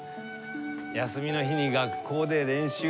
休みの日に学校で練習。